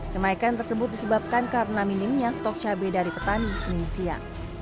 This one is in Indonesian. kenaikan tersebut disebabkan karena minimnya stok cabai dari petani senin siang